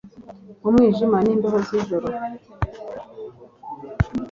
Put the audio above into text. mu mwijima n'imbeho z'ijoro